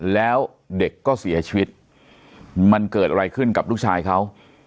แล้วเด็กก็เสียชีวิตมันเกิดอะไรขึ้นกับลูกชายเขา